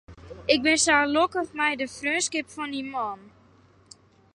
Ik bin sa lokkich mei de freonskip fan dy man.